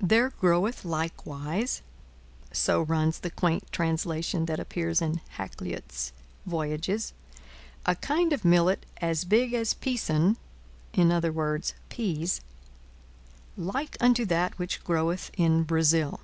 'There groweth likewise,' so runs the quaint translation that appears in Hakluyt's 'Voyages,' 'a kind of Millet as big as peason [i.e. peas] like unto that which groweth in Bresil.'